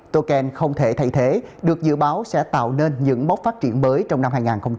token không thể thay thế được dự báo sẽ tạo nên những mốc phát triển mới trong năm hai nghìn hai mươi